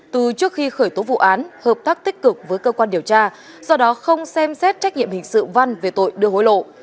từ trước khi khởi tố vụ án hợp tác tích cực với cơ quan điều tra do đó không xem xét trách nhiệm hình sự văn về tội đưa hối lộ